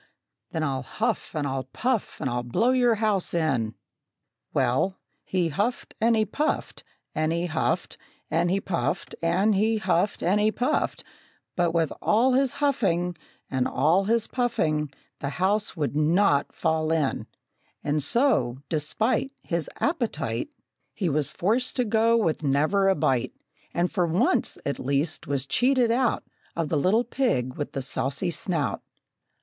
Then I'll huff and I'll puff and I'll blow your house in!" Well, he huffed and he puffed and he huffed, And he puffed and he huffed and he puffed, But with all his huffing, And all his puffing, The house would not fall in! And so, despite His appetite, He was forced to go with never a bite, And for once, at least, was cheated out Of the little pig with the saucy snout.